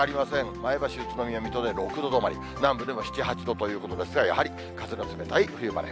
前橋、宇都宮、水戸で６度止まり、南部でも７、８度ということですが、やはり風の冷たい冬晴れ。